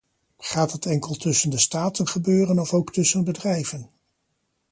Gaat het enkel tussen de staten gebeuren of ook tussen bedrijven?